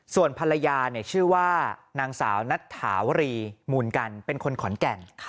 ส่วนภรรยาชื่อว่านางสาวนัทถาวรีมูลกันเป็นคนขอนแก่น